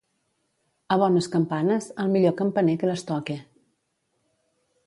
A bones campanes, el millor campaner que les toque.